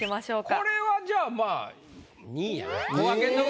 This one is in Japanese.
これはじゃあまあ２位やな。